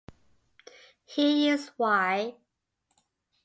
Here is why.